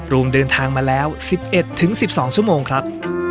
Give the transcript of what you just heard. รวมเดินทางมาแล้ว๑๑๑๑๒ชั่วโมงครับ